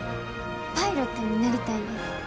パイロットになりたいねん。